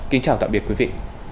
kính chào tạm biệt quý vị